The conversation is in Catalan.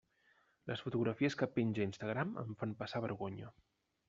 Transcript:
Les fotografies que penja a Instagram em fan passar vergonya.